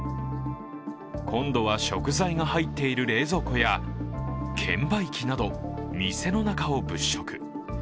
今度は食材が入っている冷蔵庫や券売機など、店の中を物色。